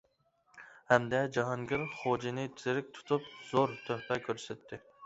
ھەمدە جاھانگىر خوجىنى تىرىڭ تۇتۇپ زور تۆھپە كۆرسەتتى.